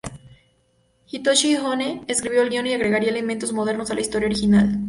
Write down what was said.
Hitoshi Ohne escribió el guion y agregará elementos modernos a la historia original.